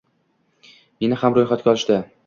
Meni ham roʻyxatga olishdi.